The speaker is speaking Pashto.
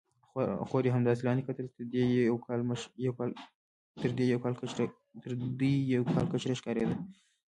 خور یې همداسې لاندې کتل، تر دې یو کال کشره ښکارېده.